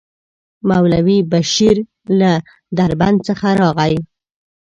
مولوي بشير له دربند څخه راغی.